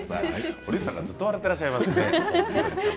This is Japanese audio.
堀内さんがずっと笑っていらっしゃいますね。